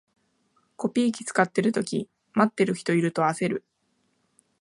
コピー機使ってるとき、待ってる人いると焦る